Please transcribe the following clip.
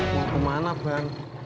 mau ke mana bang